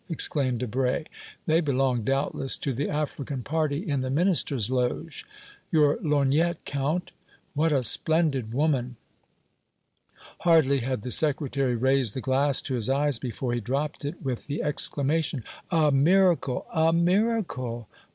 exclaimed Debray. "They belong, doubtless, to the African party in the Minister's loge. Your lorgnette, Count. What a splendid woman!" Hardly had the Secretary raised the glass to his eyes before he dropped it with the exclamation: "A miracle! a miracle!"